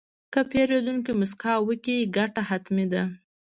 که پیرودونکی موسکا وکړي، ګټه حتمي ده.